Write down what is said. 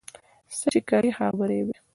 څه چې کرې، هغه به ريبې